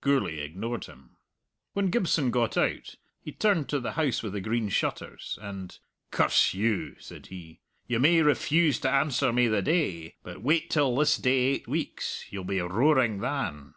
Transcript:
Gourlay ignored him. When Gibson got out he turned to the House with the Green Shutters, and "Curse you!" said he; "you may refuse to answer me the day, but wait till this day eight weeks. You'll be roaring than."